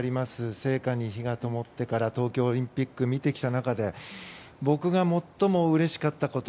聖火に火がともってから東京オリンピックを見てきた中で、僕が最もうれしかったこと。